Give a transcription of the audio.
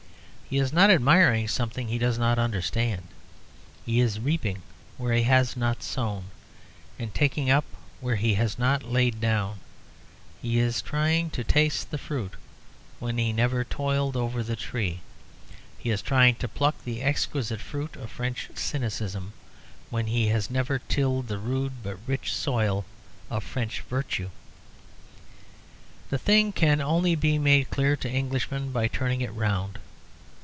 He is admiring something he does not understand. He is reaping where he has not sown, and taking up where he has not laid down; he is trying to taste the fruit when he has never toiled over the tree. He is trying to pluck the exquisite fruit of French cynicism, when he has never tilled the rude but rich soil of French virtue. The thing can only be made clear to Englishmen by turning it round.